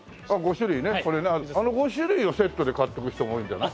５種類をセットで買っていく人も多いんじゃない？